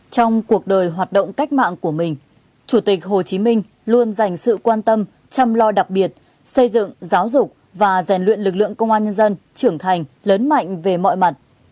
trong cuộc đời hoạt động cách mạng của mình chủ tịch hồ chí minh luôn dành sự quan tâm chăm lo đặc biệt xây dựng giáo dục và rèn luyện lực lượng công an nhân dân trưởng thành lớn mạnh về mọi mặt